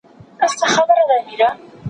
اوبه د زهشوم له خوا پاکې کيږي.